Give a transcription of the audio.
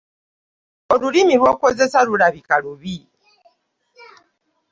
Olulimi lw'okozesa lulabika lubi.